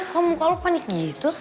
kok muka lo panik gitu